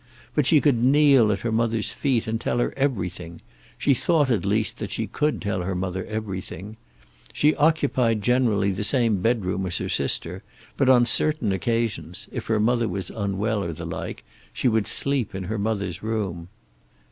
But she could kneel at her mother's feet and tell her everything; she thought, at least, that she could tell her mother everything. She occupied generally the same bedroom as her sister; but, on certain occasions, if her mother was unwell or the like, she would sleep in her mother's room.